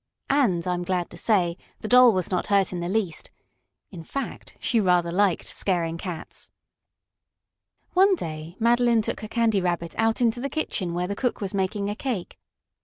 And, I am glad to say, the Doll was not hurt in the least. In fact, she rather liked scaring cats. One day Madeline took her Candy Rabbit out into the kitchen where the cook was making a cake.